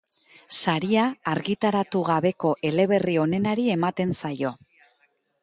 Saria argitaratu gabeko eleberri onenari ematen zaio.